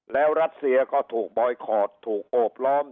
แล้วรัสเซียก็ถูกบอยคอร์ดถูกโอบล้อม